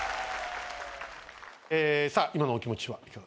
さあ今のお気持ちは？